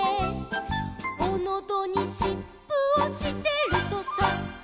「おのどにしっぷをしてるとさ」